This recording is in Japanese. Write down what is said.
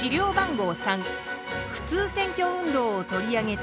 ３普通選挙運動を取り上げた新聞記事。